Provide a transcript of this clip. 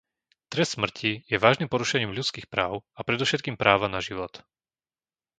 Trest smrti je vážnym porušením ľudských práv a predovšetkým práva na život.